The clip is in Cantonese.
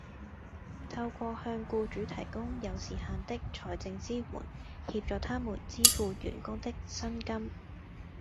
透過向僱主提供有時限的財政支援，協助他們支付員工的薪金